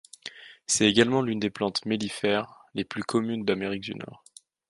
C'est également l'une des plantes mellifères les plus communes d'Amérique du Nord.